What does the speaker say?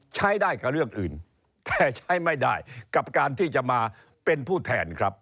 ใช้ได้กับเรื่องอื่นแต่ใช้ไม่ได้กับการที่จะมาเป็นผู้แทนครับ